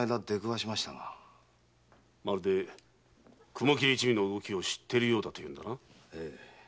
まるで雲切一味の動きを知っているようだというのだな？